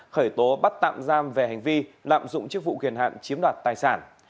khởi tố bắt tạm giam về hành vi lạm dụng chức vụ quyền hạn chiếm đoạt tài sản